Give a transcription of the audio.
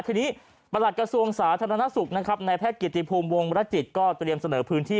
ทีนี้ประหลัดกระทรวงสาธารณสุขนะครับในแพทย์เกียรติภูมิวงรจิตก็เตรียมเสนอพื้นที่